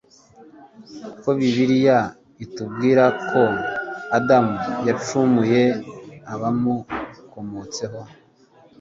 Ko bibiriya itubwirako adamu yacumuye abamukomotseho